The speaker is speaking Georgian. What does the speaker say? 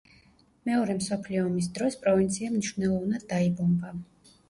მეორე მსოფლიო ომის დროს პროვინცია მნიშვნელოვნად დაიბომბა.